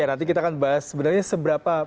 nanti kita akan bahas sebenarnya seberapa